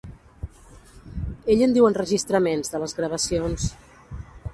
Ell en diu enregistraments, de les gravacions.